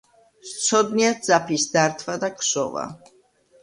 სცოდნიათ ძაფის დართვა და ქსოვა.